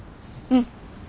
うん。